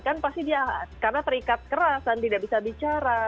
kan pasti dia karena terikat keras dan tidak bisa bicara